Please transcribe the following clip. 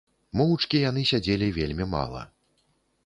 Моўчкі яны сядзелі вельмі мала.